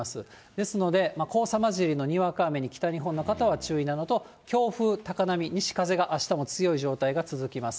ですので、黄砂交じりのにわか雨に北日本の方は注意なのと、強風、高波、西風があしたも強い状態が続きます。